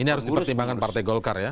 ini harus dipertimbangkan partai golkar ya